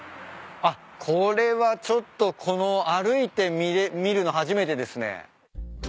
あっこれはちょっとこの歩いて見るの初めてですね。